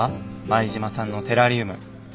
前島さんのテラリウム。